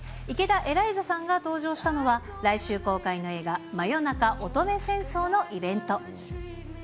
池田エライザさんが登場したのは、来週公開の映画、真夜中乙女戦争のイベント。